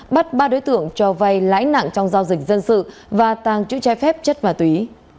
bắt ba đối tượng cho vay lãi nặng trong giao dịch dân sự và tàng chữ trái phép chất ma túy